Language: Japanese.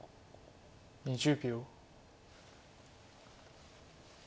２０秒。